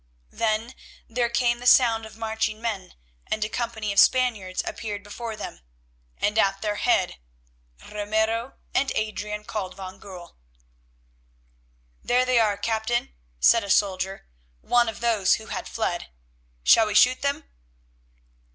Then there came the sound of marching men, and a company of Spaniards appeared before them, and at their head—Ramiro and Adrian called van Goorl. "There they are, captain," said a soldier, one of those who had fled; "shall we shoot them?"